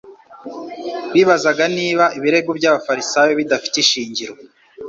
bibazaga niba ibirego by'abafarisayo bidafite ishingiro.